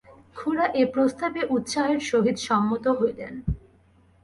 খুড়া এ প্রস্তাবে উৎসাহের সহিত সম্মত হইলেন।